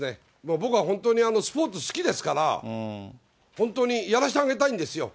僕は本当にスポーツ好きですから、本当にやらしてあげたいんですよ。